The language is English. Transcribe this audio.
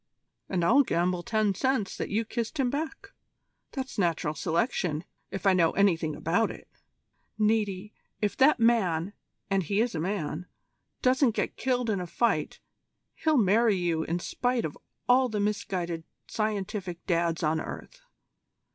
"And I'll gamble ten cents that you kissed him back. That's Natural Selection, if I know anything about it. Niti, if that man and he is a man doesn't get killed in a fight, he'll marry you in spite of all the misguided scientific Dads on earth.